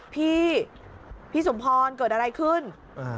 พี่พี่สมพรเกิดอะไรขึ้น